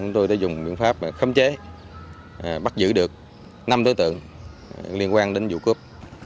tôi đã dùng biện pháp khâm chế bắt giữ được năm đối tượng liên quan đến vụ cướp